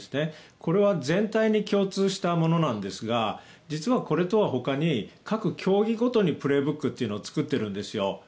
これは全体に共通したものなんですが実はこれとはほかに各競技ごとに「プレーブック」を作ってるんですよ。